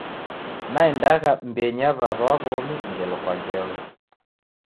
Naendagha mbienyi ya w'aw'a wa w'omi ngelo kwa ngelo.